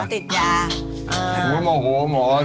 ติดยาเออถึงว่าโหหมอสิ